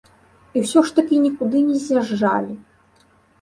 І ўсё ж такі нікуды не з'язджалі.